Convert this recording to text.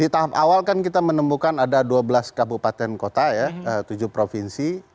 di tahap awal kan kita menemukan ada dua belas kabupaten kota ya tujuh provinsi